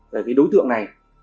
là cái đối tượng này